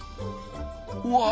うわ！